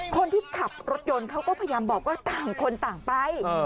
คนที่ขับรถยนต์เขาก็พยายามบอกว่าต่างคนต่างไป